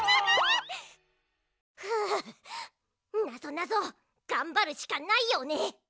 なぞなぞがんばるしかないよね。